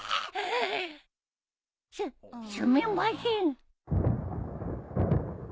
すすみません。